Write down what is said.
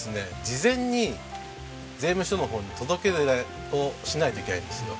事前に税務署のほうに届け出をしないといけないんですよ。